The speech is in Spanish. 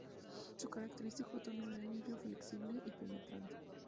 Su característico tono era limpio, flexible y penetrante.